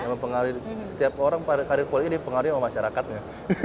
yang mempengaruhi setiap orang karir politik ini mempengaruhi sama masyarakatnya